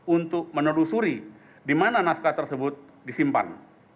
untuk menelusuri di mana naskah tersebut disimpan